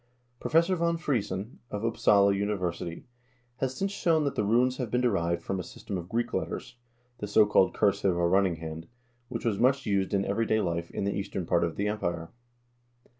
Professor von Friesen, of Upsala Uni versity, has since shown that the runes have been derived from a sys tem of Greek letters, the so called cursive or running hand, which was much used in everyday life in the eastern part of the Empire.